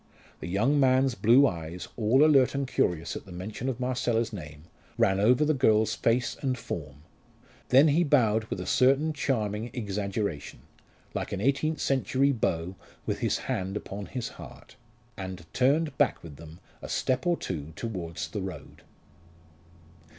The young man's blue eyes, all alert and curious at the mention of Marcella's name, ran over the girl's face and form. Then he bowed with a certain charming exaggeration like an eighteenth century beau with his hand upon his heart and turned back with them a step or two towards the road.